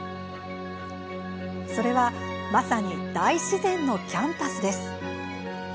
それはまさに大自然のキャンパスです。